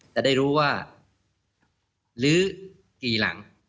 จะได้รู้ว่าลื้อกี่หลัง